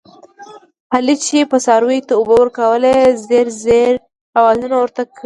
علي چې څارویو ته اوبه ورکوي، ځیږ ځیږ اواز ورته کوي.